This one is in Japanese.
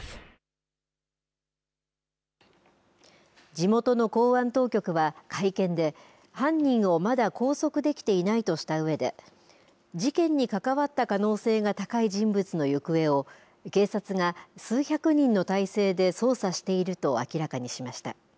地元の公安当局は会見で犯人をまだ拘束できていないとしたうえで事件に関わった可能性が高い人物の行方を警察が数百人の態勢で捜査していると明らかにしました。